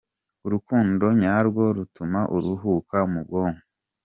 Urukundo Nyarwo rutuma uruhuka mu bwonko:.